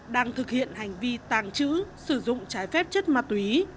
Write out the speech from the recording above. đang thực hiện hành vi tàng trữ sử dụng trái phép chất ma túy